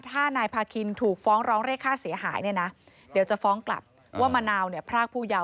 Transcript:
ถ้านายพาคินถูกฟ้องร้องเรียกค่าเสียหายเนี่ยนะเดี๋ยวจะฟ้องกลับว่ามะนาวเนี่ยพรากผู้เยาว์